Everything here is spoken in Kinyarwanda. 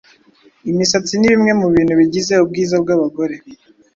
Imisatsi ni bimwe mu bintu bigize ubwiza bw’abagore,